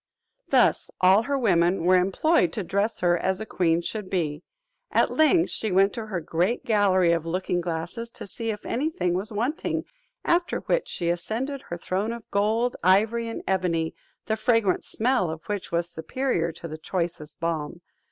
Thus all her women were employed to dress her as a queen should be. At length, she went to her great gallery of looking glasses, to see if any thing was wanting; after which she ascended her throne of gold, ivory, and ebony, the fragrant smell of which was superior to the choicest balm.